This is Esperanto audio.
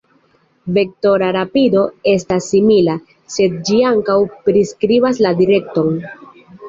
Vektora rapido estas simila, sed ĝi ankaŭ priskribas la direkton.